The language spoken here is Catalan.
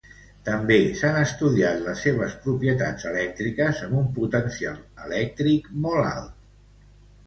També s'han estudiat les seves propietats elèctriques amb un potencial elèctric molt alt.